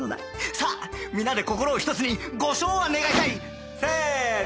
さあ皆で心を一つにご唱和願いたいせーの！